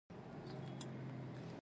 پسه د افغانستان د سیلګرۍ یوه ښه برخه ده.